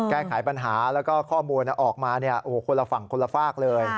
แก้ไขปัญหาแล้วก็ข้อมูลออกมาคนละฝั่งคนละฝากเลย